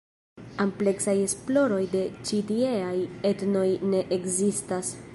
Ampleksaj esploroj de ĉi tieaj etnoj ne ekzistas.